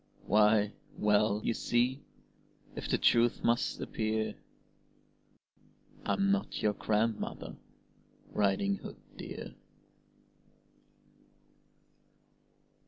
Why, well: you see if the truth must appear I'm not your grandmother, Riding Hood, dear!